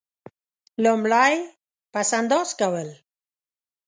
لومړی: پس انداز کول.